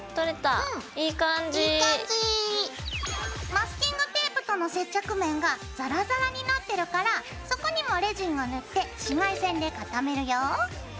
マスキングテープとの接着面がザラザラになってるからそこにもレジンを塗って紫外線で固めるよ。